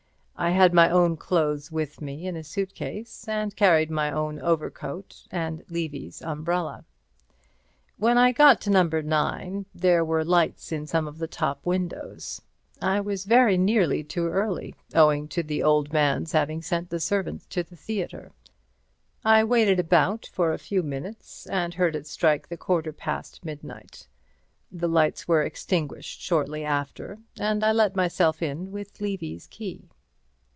I had my own clothes with me in a suitcase, and carried my own overcoat and Levy's umbrella. When I got to No. 9 there were lights in some of the top windows. I was very nearly too early, owing to the old man's having sent the servants to the theatre. I waited about for a few minutes, and heard it strike the quarter past midnight. The lights were extinguished shortly after, and I let myself in with Levy's key.